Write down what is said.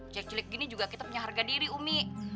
cek jelik gini juga kita punya harga diri umi